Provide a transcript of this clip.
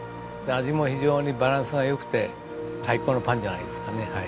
味も非常にバランスが良くて最高のパンじゃないですかね。